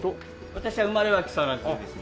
私は生まれは木更津でですね。